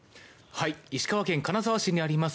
石川県金沢市にあります